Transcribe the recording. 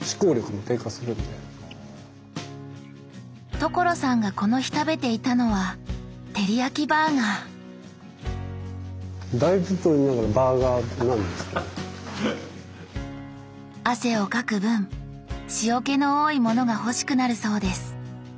所さんがこの日食べていたのはテリヤキバーガー汗をかく分塩気の多いものが欲しくなるそうです